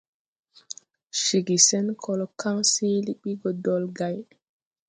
Ceege sen kol kan seele bi go dolgãy.